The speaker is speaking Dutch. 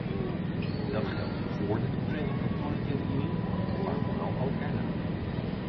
Dat geldt vóór de toetreding tot de monetaire unie, maar vooral ook er na.